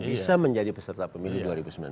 bisa menjadi peserta pemilu dua ribu sembilan belas